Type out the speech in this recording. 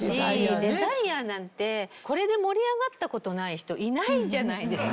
『ＤＥＳＩＲＥ』なんてこれで盛り上がった事ない人いないんじゃないですか？